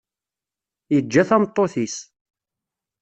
Yeǧǧa tameṭṭut-is.